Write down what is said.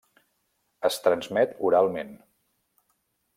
Es transmet oralment.